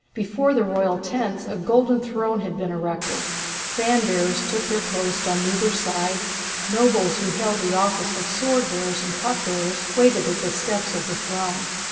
Before the royal tents a golden throne had been erected. Fan bearers took their post on either side, nobles who held the office of sword bearers and cup bearers waited at the steps of the throne.